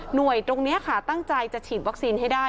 โดยตรงนี้ค่ะตั้งใจจะฉีดวัคซีนให้ได้